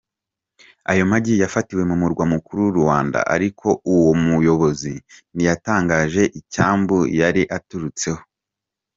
Ayo magi yafatiwe mu Murwa mukuru Luanda, ariko uwo muyobozi ntiyatangaje icyambu yari aturutseho.